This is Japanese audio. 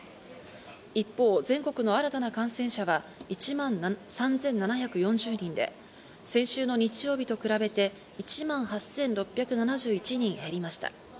一方、全国の新たな感染者は１万３７４０人で、先週の日曜日と比べて１万８６７１人減りました。